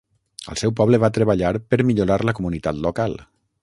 Al seu poble va treballar per millorar la comunitat local.